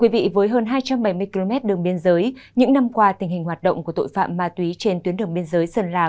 với hơn hai trăm bảy mươi km đường biên giới những năm qua tình hình hoạt động của tội phạm ma túy trên tuyến đường biên giới sơn lào